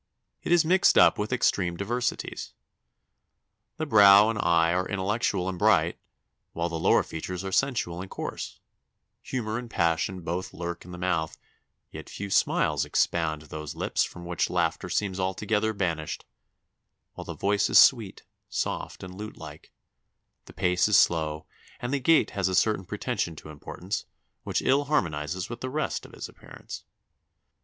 It is mixed up with extreme diversities. The brow and eye are intellectual and bright, while the lower features are sensual and coarse: humour and passion both lurk in the mouth, yet few smiles expand those lips from which laughter seems altogether banished, while the voice is sweet, soft, and lute like; the pace is slow, and the gait has a certain pretension to importance, which ill harmonises with the rest of his appearance.